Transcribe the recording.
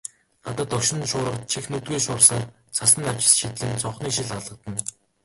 Гадаа догшин шуурга чих нүдгүй шуурсаар, цасан навчис шидлэн цонхны шил алгадна.